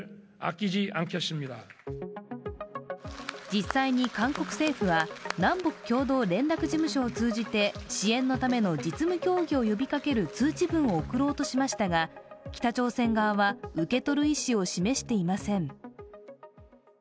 実際に韓国政府は、南北共同連絡事務所を通じて支援のための実務協議を呼びかける通知文を送ろうとしましたが北朝鮮側は、受け取る意思を示していません。